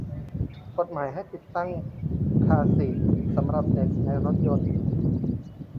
กฎหมายให้ติดตั้งคาร์ซีทสำหรับเด็กในรถยนต์